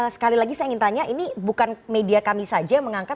sekali lagi saya ingin tanya ini bukan media kami saja yang mengangkat